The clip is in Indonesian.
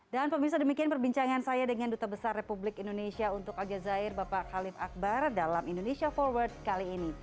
dan pemirsa demikian perbincangan saya dengan duta besar republik indonesia untuk aljazair bapak khalif akbar dalam indonesia forward kali ini